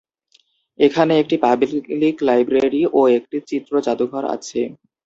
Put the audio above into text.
এখানে একটি public library এবং একটি চিত্র জাদুঘর আছে।